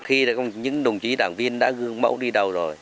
khi những đồng chí đảng viên đã gương mẫu đi đầu rồi